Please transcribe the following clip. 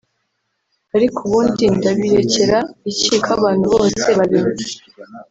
Ariko ubundi ndabirekera iki ko abantu ‘bose’ babinywa